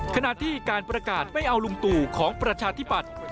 ขณะที่การประกาศไม่เอาลุงตู่ของประชาธิปัตย์